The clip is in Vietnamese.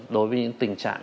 đối với những tình trạng